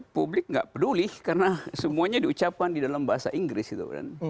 publik nggak peduli karena semuanya diucapkan di dalam bahasa inggris gitu kan